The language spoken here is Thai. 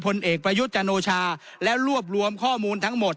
พลเอกพญุตจันนูชาและรวบรวมข้อมูลทั้งหมด